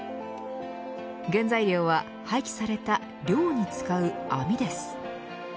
原材料は、廃棄された漁に使う網です。